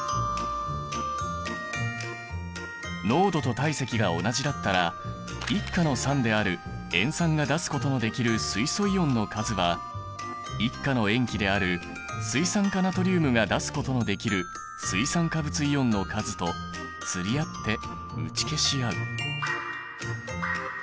濃度と体積が同じだったら１価の酸である塩酸が出すことのできる水素イオンの数は１価の塩基である水酸化ナトリウムが出すことのできる水酸化物イオンの数と釣り合って打ち消し合う。